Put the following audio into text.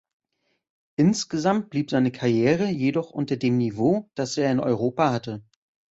Insgesamt blieb seine Karriere jedoch unter dem Niveau, das er in Europa hatte.